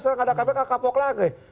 sekarang ada kpk kapok lagi